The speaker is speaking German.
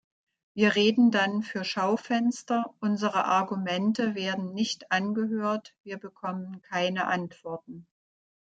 Wir reden dann für Schaufenster, unsere Argumente werden nicht angehört, wir bekommen keine Antworten.